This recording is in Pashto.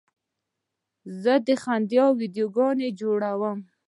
زه د خندا ویډیوګانې جوړوم.